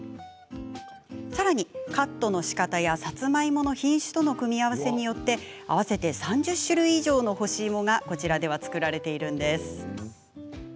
さらに、カットのしかたやさつまいもの品種との組み合わせによって合わせて３０種類以上の干し芋がこちらでは作られているんです。